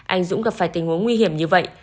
anh dũng gặp phải tình huống nguy hiểm như vậy